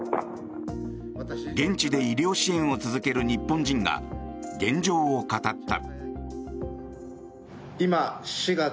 現地で医療支援を続ける日本人が現状を語った。